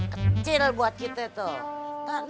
kecil buat kita tau